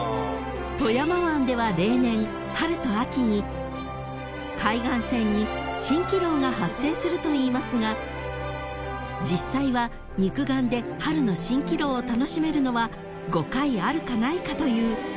［富山湾では例年春と秋に海岸線に蜃気楼が発生するといいますが実際は肉眼で春の蜃気楼を楽しめるのは５回あるかないかという大変貴重な光景なんだそう］